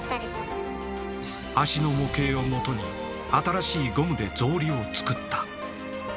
足の模型をもとに新しいゴムで草履を作った。